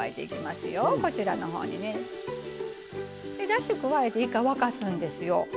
だし加えて１回沸かすんですよ。